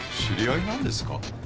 知り合いなんですか？